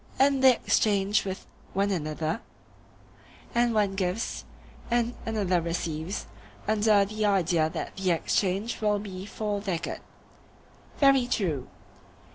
And they exchange with one another, and one gives, and another receives, under the idea that the exchange will be for their good. Very true.